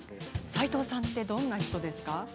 斎藤さんって、どんな人？